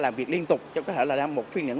làm việc liên tục có thể là làm một phiên